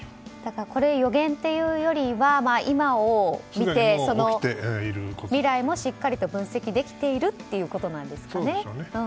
予言というよりは今を見て、未来もしっかりと分析できているということなんですかね。